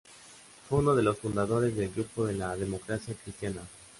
Fue uno de los fundadores del Grupo de la Democracia Cristiana.